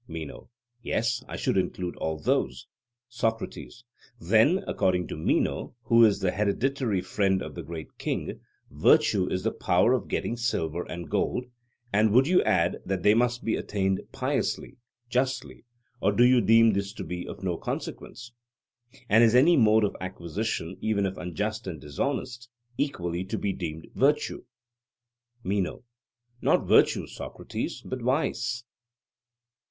MENO: Yes, I should include all those. SOCRATES: Then, according to Meno, who is the hereditary friend of the great king, virtue is the power of getting silver and gold; and would you add that they must be gained piously, justly, or do you deem this to be of no consequence? And is any mode of acquisition, even if unjust and dishonest, equally to be deemed virtue? MENO: Not virtue, Socrates, but vice.